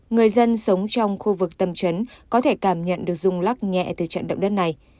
người dân sống trong khu vực tâm trấn có thể cảm nhận được rung lắc nhẹ từ trận động đất này